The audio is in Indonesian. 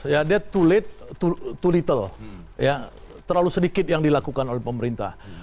ya dia terlalu sedikit yang dilakukan oleh pemerintah